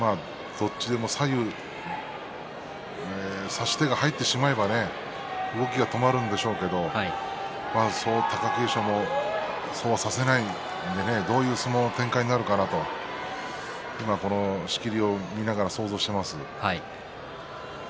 どっちでも左右差し手が入ってしまえば動きが止まるんでしょうけど貴景勝もそうはさせないのでねどういう相撲の展開になるかなと今、仕切りを見ながら想像しています。